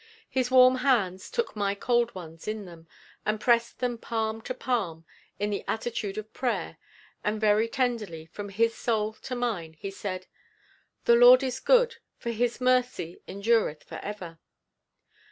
His warm hands took my cold ones in them and pressed them palm to palm in the attitude of prayer and very tenderly, from his soul to mine, he said: "'The Lord is good, for his mercy endureth forever.'"